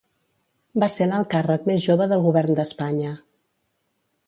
Va ser l'alt càrrec més jove del govern d'Espanya.